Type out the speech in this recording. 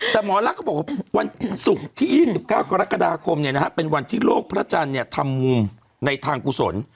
แต่หมอลักษณ์ก็บอกวันสุขที่๒๙กรกฎาคมเนี่ยนะฮะเป็นวันที่โลกพระจันทร์เนี่ยทำมุมในทางกุศล